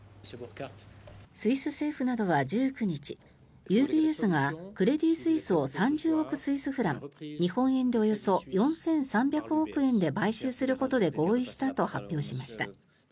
スイス政府などは１９日ＵＢＳがクレディ・スイスを３０億スイスフラン日本円でおよそ４３００億円で買収することで合意したと発表しました。